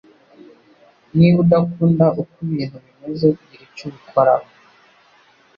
Niba udakunda uko ibintu bimeze, gira icyo ubikoraho.